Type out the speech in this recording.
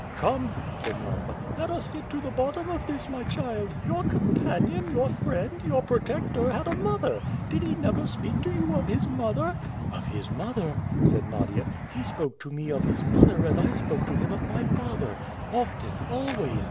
"Come," said Marfa; "let us get to the bottom of this, my child. Your companion, your friend, your protector had a mother. Did he never speak to you of his mother?" "Of his mother?" said Nadia. "He spoke to me of his mother as I spoke to him of my father often, always.